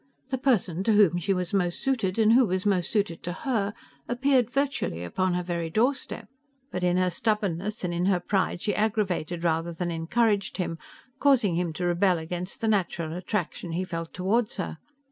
The person to whom she was most suited and who was most suited to her appeared virtually upon her very doorstep; but in her stubbornness and in her pride she aggravated rather than encouraged him, causing him to rebel against the natural attraction he felt toward her.